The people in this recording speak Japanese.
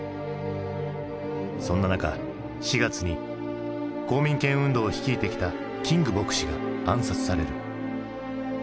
そんな中４月に公民権運動を率いてきたキング牧師が暗殺される。